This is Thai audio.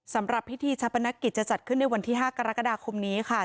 สำหรับพิธีชาปนกิจจะจัดขึ้นในวันที่๕กรกฎาคมนี้ค่ะ